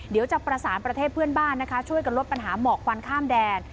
เดี๋ยวจะประสานประเทศเพื่อนบ้านนะคะช่วยกันลดปัญหาหมอกควันข้ามแดน